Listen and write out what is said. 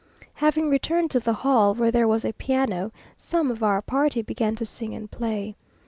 Having returned to the hall where there was a piano, some of our party began to sing and play.